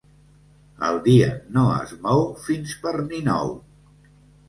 El dia no es mou fins per Ninou.